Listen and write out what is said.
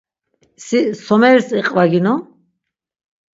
Si someris iqvaginon?